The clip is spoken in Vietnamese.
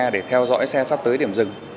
để theo dõi xe sắp tới điểm dừng